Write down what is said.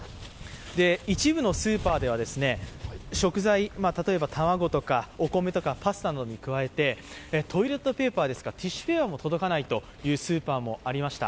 一部のスーパーでは食材、例えば卵とかお米とかパスタなどに加えてトイレットペーパーとかティッシュペーパーも届かないというスーパーもありました。